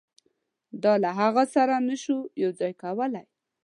دا له هغوی سره نه شو یو ځای کولای.